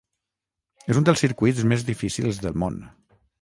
És un dels circuits més difícils del món.